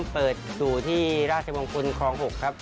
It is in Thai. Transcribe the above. เปิดสู่ที่ราชมงคลคลอง๖ครับ